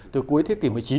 từ cuối thế kỷ một mươi chín